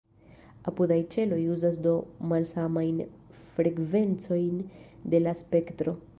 Apudaj ĉeloj uzas do malsamajn frekvencojn de la spektro.